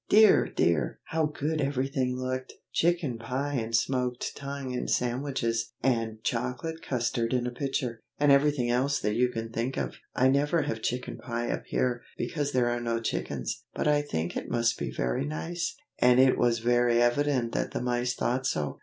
Dear! dear! how good everything looked! chicken pie and smoked tongue and sandwiches, and chocolate custard in a pitcher, and everything else that you can think of. I never have chicken pie up here, because there are no chickens, but I think it must be very nice, and it was very evident that the mice thought so.